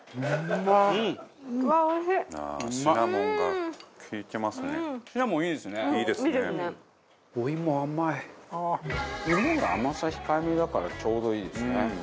バカリズム：芋が甘さ控えめだからちょうどいいですね。